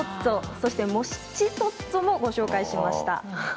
そしてモチトッツォもご紹介しました。